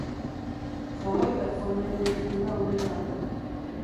Hawaii-ra joan nahi dut uda honetan